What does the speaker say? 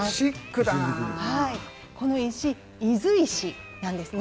この石伊豆石なんですね。